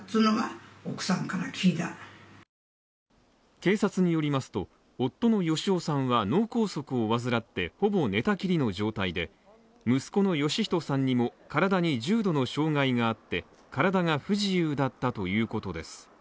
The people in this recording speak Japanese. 警察によりますと、夫の芳男さんは脳梗塞を患って、ほぼ寝たきりの状態で、息子の芳人さんにも身体に重度の障害があって、体が不自由だったということです。